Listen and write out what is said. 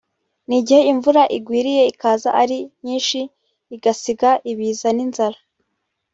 n’igihe imvura igwiriye ikaza ari nyinshi igasiga ibiza n’inzara